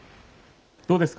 どうですか？